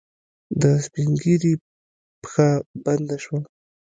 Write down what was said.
د سپينږيري پښه بنده شوه.